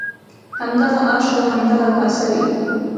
همدغه آش او همدغه کاسه وي.